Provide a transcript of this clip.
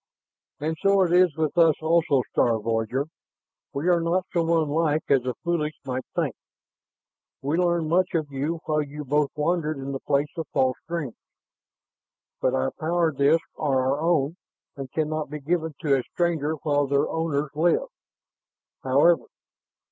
"And so it is with us also, star voyager. We are not so unlike as the foolish might think. We learned much of you while you both wandered in the Place of False Dreams. But our power disks are our own and can not be given to a stranger while their owners live. However...."